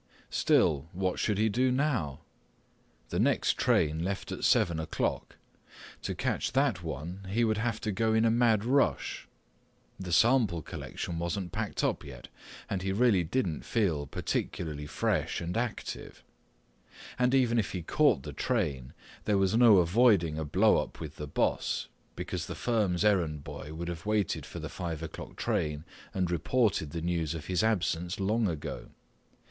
Still, what should he do now? The next train left at seven o'clock. To catch that one, he would have to go in a mad rush. The sample collection wasn't packed up yet, and he really didn't feel particularly fresh and active. And even if he caught the train, there was no avoiding a blow up with the boss, because the firm's errand boy would've waited for the five o'clock train and reported the news of his absence long ago.